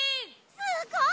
すごい！